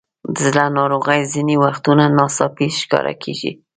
د زړه ناروغۍ ځینې وختونه ناڅاپي ښکاره کېږي.